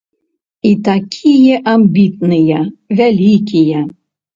І такія амбітныя, вялікія.